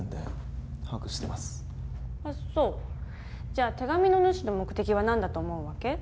じゃあ手紙の主の目的はなんだと思うわけ？